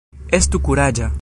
Estu kuraĝa!